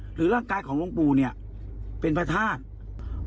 หรือร่างกายของหลวงปู่เป็นพระธาตุ